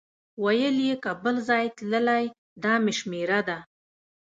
ویل یې که بل ځای تللی دا مې شمېره ده.